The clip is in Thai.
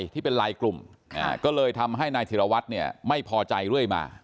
ที่เป็นลายกลุ่มก็เลยทำให้นายถิรวัตรไม่พอใจด้วยมา